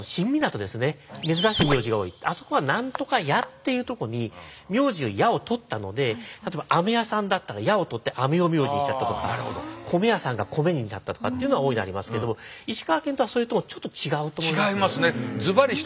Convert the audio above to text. あそこは何とか屋っていうとこに名字の「屋」を取ったので例えば屋さんだったら「屋」を取米屋さんが「米」になったとかっていうのは大いにありますけど石川県はそれともちょっと違うと思います。